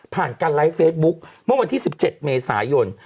การไลฟ์เฟซบุ๊คเมื่อวันที่๑๗เมษายน